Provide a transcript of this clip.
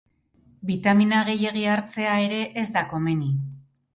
Bitamina gehiegi hartzea ere ez da komeni.